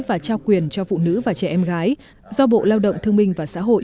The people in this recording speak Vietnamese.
và trao quyền cho phụ nữ và trẻ em gái do bộ lao động thương minh và xã hội